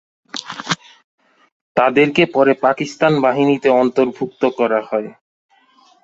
তাদেরকে পরে পাকিস্তান বাহিনীতে অন্তর্ভুক্ত করা হয়।